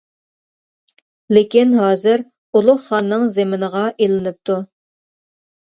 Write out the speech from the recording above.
لېكىن ھازىر ئۇلۇغ خاننىڭ زېمىنىغا ئېلىنىپتۇ.